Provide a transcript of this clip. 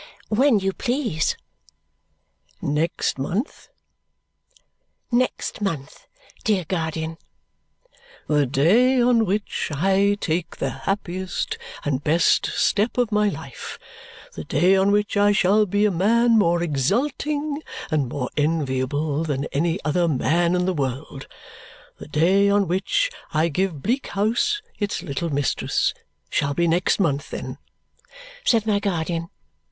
"When you please." "Next month?" "Next month, dear guardian." "The day on which I take the happiest and best step of my life the day on which I shall be a man more exulting and more enviable than any other man in the world the day on which I give Bleak House its little mistress shall be next month then," said my guardian.